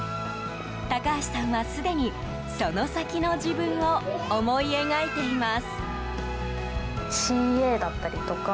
高橋さんはすでに、その先の自分を思い描いています。